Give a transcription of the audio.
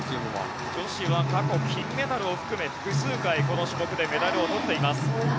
女子は過去金メダルを含めこの種目で複数回メダルを取っています。